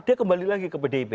dia kembali lagi ke pdip